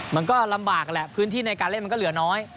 มันก็ลำบากแหละพื้นที่ในการเล่นมันก็เหลือน้อย